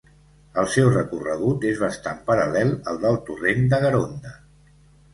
El seu recorregut és bastant paral·lel al del torrent de Garonda.